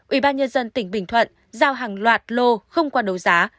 ubnd tỉnh bình thuận giao hàng loạt lô không qua đấu giá